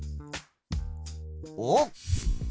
おっ！